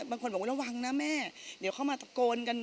บางคนบอกว่าระวังนะแม่เดี๋ยวเข้ามาตะโกนกัน